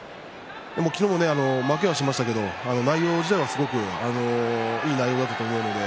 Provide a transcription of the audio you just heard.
昨日も負けはしましたけど内容自体はすごくいい内容だったと思います。